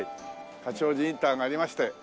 八王子インターがありまして。